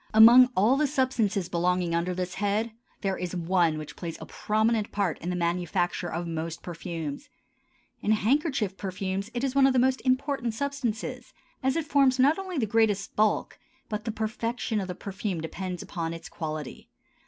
Among all the substances belonging under this head, there is one which plays a prominent part in the manufacture of most perfumes. In handkerchief perfumes it is one of the most important substances, as it forms not only the greatest bulk, but the perfection of the perfume depends upon its quality.